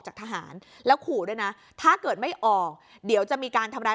จากทหารแล้วขู่ด้วยนะถ้าเกิดไม่ออกเดี๋ยวจะมีการทำร้าย